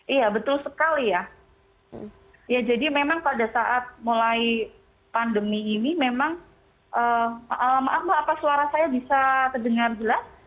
iya betul sekali ya jadi memang pada saat mulai pandemi ini memang maaf mbak apa suara saya bisa terdengar jelas